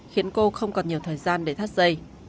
khiến cô không còn nhiều thời gian để thắt dây